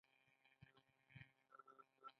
د جنسي ستونزې لپاره د هورمونونو معاینه وکړئ